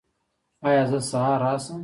ایا زه سهار راشم؟